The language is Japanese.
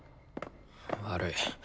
悪い。